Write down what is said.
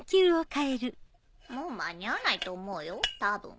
もう間に合わないと思うよ多分。